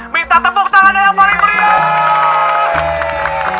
minta tepuk tangannya yang paling berdiam